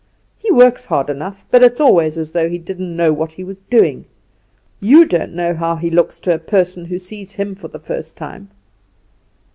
He works hard enough, but it's always as though he didn't know what he was doing. You don't know how he looks to a person who sees him for the first time."